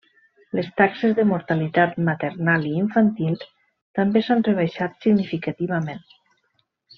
Les taxes de mortalitat maternal i infantil també s'han rebaixat significativament.